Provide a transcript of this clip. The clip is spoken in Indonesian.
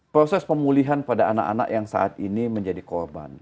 proses pemulihan pada anak anak yang saat ini menjadi korban